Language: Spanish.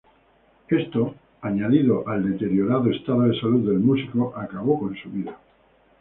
Esto, añadido al deteriorado estado de salud del músico, acabó con su vida.